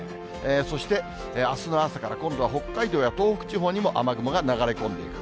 そして、あすの朝から、今度は北海道や東北地方にも雨雲が流れ込んでいく。